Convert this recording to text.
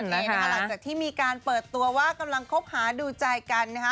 หลังจากที่มีการเปิดตัวว่ากำลังคบหาดูใจกัน